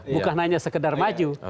bukan hanya sekedar maju